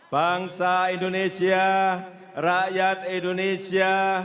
bangsa indonesia rakyat indonesia